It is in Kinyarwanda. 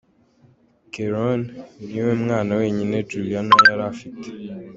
Keron ni we mwana wenyine Juliana yari afite.